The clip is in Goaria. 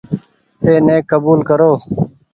اي ني ڪبول ڪرو ۔